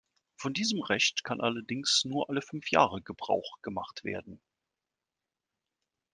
Von diesem Recht kann allerdings nur alle fünf Jahre Gebrauch gemacht werden.